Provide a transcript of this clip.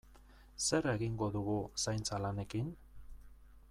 Zer egingo dugu zaintza lanekin?